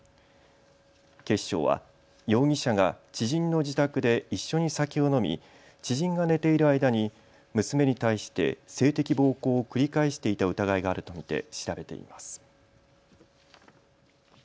警視庁は容疑者が知人の自宅で一緒に酒を飲み知人が寝ている間に娘に対して性的暴行を繰り返していた疑いがあると見て調べています。